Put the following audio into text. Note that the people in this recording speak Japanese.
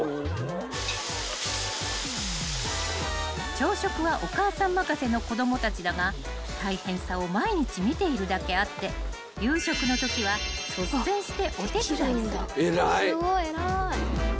［朝食はお母さん任せの子供たちだが大変さを毎日見ているだけあって夕食のときは率先して］